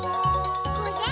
これ？